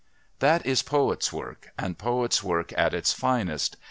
That is poet's work, and poet's work at its finest.